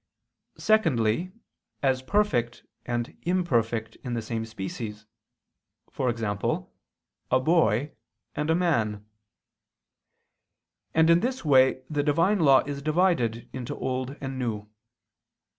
Secondly, as perfect and imperfect in the same species, e.g. a boy and a man: and in this way the Divine law is divided into Old and New.